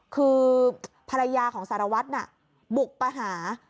คือภรรยาของสารวัตรน่ะบุกไปหา